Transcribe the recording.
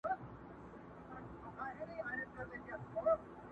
په محبت کي يې بيا دومره پيسې وغوښتلې،